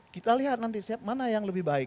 kita lihat nanti siapa mana yang lebih baik